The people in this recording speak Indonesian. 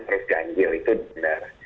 terus ganjil itu benar